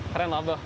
keren loh abah